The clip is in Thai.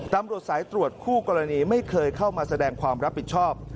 ตำรวจสายตรวจคู่กรณีไม่เคยเข้ามาแสดงความรับผิดชอบ